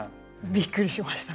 びっくりしましたね。